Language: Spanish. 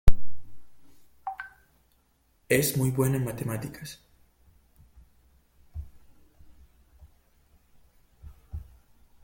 Es muy buena en matemáticas.